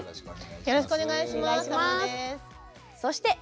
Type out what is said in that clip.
よろしくお願いします。